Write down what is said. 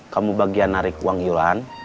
kamu bagian narik uang yulan